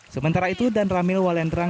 sementara itu dan ramil walendra